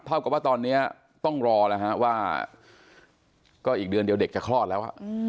กับว่าตอนนี้ต้องรอแล้วฮะว่าก็อีกเดือนเดียวเด็กจะคลอดแล้ว